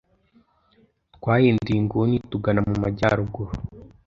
Twahinduye inguni tugana mu majyaruguru.